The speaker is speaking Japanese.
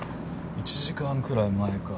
１時間くらい前か。